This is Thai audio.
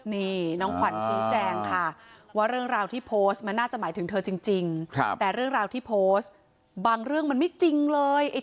นี่น้องขวัญชี้แจงค่ะว่าเรื่องราวที่โพสต์มันน่าจะหมายถึงเธอจริงแต่เรื่องราวที่โพสต์บางเรื่องมันไม่จริงเลย